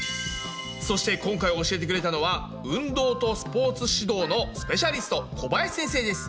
そして今回教えてくれたのは運動とスポーツ指導のスペシャリスト小林先生です。